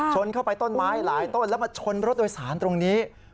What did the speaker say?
ชนเข้าไปต้นไม้หลายต้นแล้วมาชนรถโดยสารตรงนี้